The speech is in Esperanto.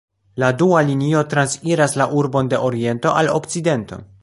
La dua linio transiras la urbon de oriento al okcidento.